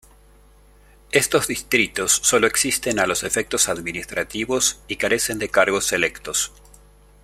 Estos distritos sólo existen a los efectos administrativos y carecen de cargos electos.